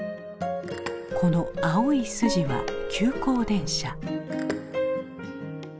この青いスジは急行電車。